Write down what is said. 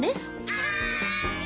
はい！